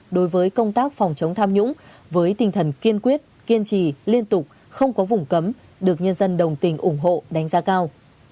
đối với công tác phòng chống tham nhũng với tinh thần kiên quyết kiên trì liên tục không có vùng cấm được nhân dân đồng tình ủng hộ đánh giá cao